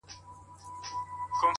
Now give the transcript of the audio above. Està bastant degradat.